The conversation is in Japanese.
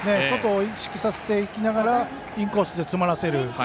外を意識させていきながらインコースで詰まらせる。